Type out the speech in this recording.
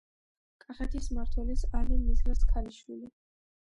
კახეთის მმართველის, ალი მირზას ქალიშვილი.